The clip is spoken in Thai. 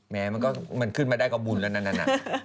แม้มันก็มันขึ้นมาได้ก็บุญแล้วนั่นน่ะ